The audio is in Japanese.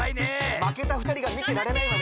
負けたふたりがみてられないわね。